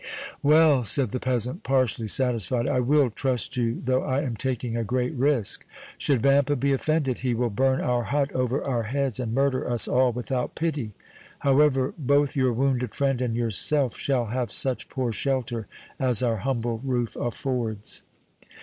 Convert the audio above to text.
"Well," said the peasant, partially satisfied, "I will trust you, though I am taking a great risk. Should Vampa be offended, he will burn our hut over our heads and murder us all without pity. However, both your wounded friend and yourself shall have such poor shelter as our humble roof affords."